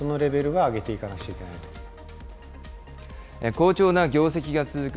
好調な業績が続く